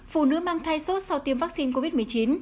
bốn phụ nữ mang thai sốt sau tiêm vắc xin covid một mươi chín